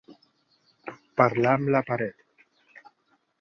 Parlar amb la paret.